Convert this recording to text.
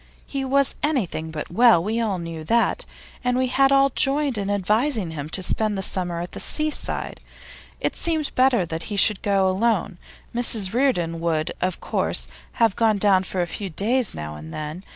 He was anything but well; we all knew that, and we had all joined in advising him to spend the summer at the seaside. It seemed better that he should go alone; Mrs Reardon would, of course, have gone down for a few days now and then.